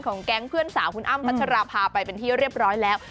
แก๊งเพื่อนสาวคุณอ้ำพัชราภาไปเป็นที่เรียบร้อยแล้ว